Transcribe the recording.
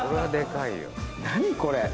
何これ？